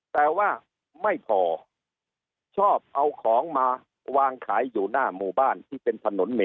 แต่ว่าไม่พอชอบเอาของมาวางขายอยู่หน้าหมู่บ้านที่เป็นถนน